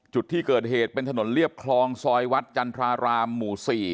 จุดที่เกิดเหตุเป็นถนนเรียบคลองซอยวัดจันทรารามหมู่๔